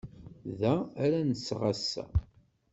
Da ara nseɣ ass-a.